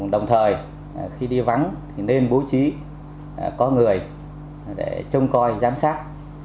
đồng thời khi đi vắng thì nên bố trí có người để trông coi giám sát